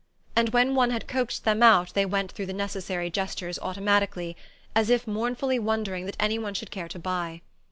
And when one had coaxed them out they went through the necessary gestures automatically, as if mournfully wondering that any one should care to buy.